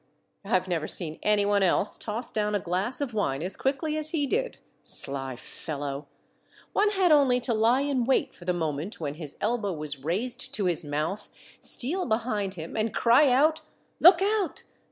I've never seen any one else toss down a glass of wine as quickly as he did ! Sly fellow ! one had only to lie in wait for the moment when his elbow was raised to his mouth, steal behind him, and cry out, —" Look out